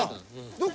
どこ？